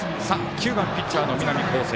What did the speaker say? ９番、ピッチャーの南恒誠。